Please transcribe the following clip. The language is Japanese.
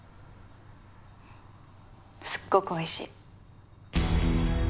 すっごくおいしい。